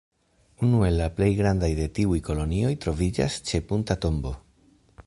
Unu el la plej grandaj de tiuj kolonioj troviĝas ĉe Punta Tombo.